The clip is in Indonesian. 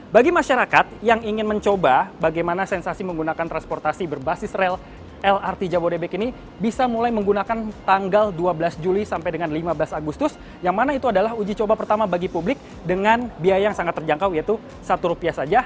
bagi masyarakat yang ingin mencoba bagaimana sensasi menggunakan transportasi berbasis rel lrt jabodebek ini bisa mulai menggunakan tanggal dua belas juli sampai dengan lima belas agustus yang mana itu adalah uji coba pertama bagi publik dengan biaya yang sangat terjangkau yaitu rp satu saja